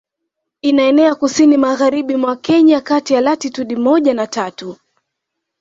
Inaenea kusini magharibi mwa Kenya kati ya latitude moja na tatu